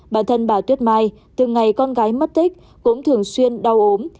bà thân bà tuyết mai từng ngày con gái mất tích cũng thường xuyên đau ốm